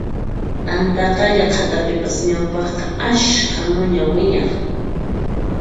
Antaqalla qhatapipas ñawpaqqa ashka muña wiñaq